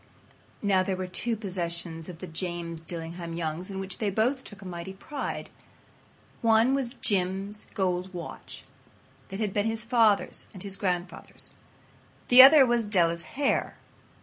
Now, there were two possessions of the James Dillingham Youngs in which they both took a mighty pride. One was Jim's gold watch that had been his father's and his grandfather's. The other was Della's hair.